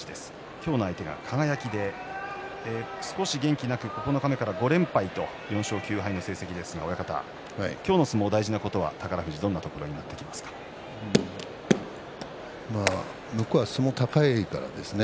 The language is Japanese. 今日の相手が輝で少し元気なく九日目から５連敗と４勝９敗の成績ですが宝富士は今日の相撲大事なところは向こうは相撲が高いですからね。